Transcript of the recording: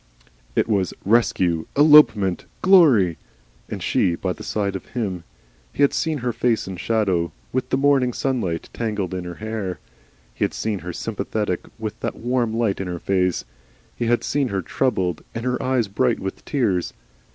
It was Rescue, Elopement, Glory! And she by the side of him! He had seen her face in shadow, with the morning sunlight tangled in her hair, he had seen her sympathetic with that warm light in her face, he had seen her troubled and her eyes bright with tears.